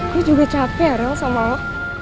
gue juga capek ya rel sama lo